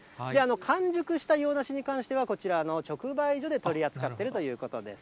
完熟した洋梨に関しては、こちらの直売所で取り扱っているということです。